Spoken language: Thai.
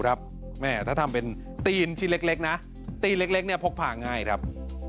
ถ้าทำเป็นตีนที่เล็กนะตีนเล็กเนี่ยพกพาง่ายครับ